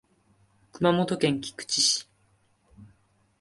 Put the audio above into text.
熊本県菊池市